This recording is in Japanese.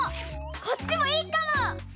こっちもいいかも！